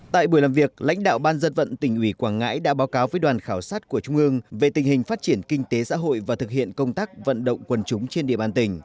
tại buổi làm việc lãnh đạo ban dân vận tỉnh ủy quảng ngãi đã báo cáo với đoàn khảo sát của trung ương về tình hình phát triển kinh tế xã hội và thực hiện công tác vận động quân chúng trên địa bàn tỉnh